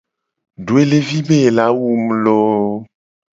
Doelevi be ye la wu mu lo !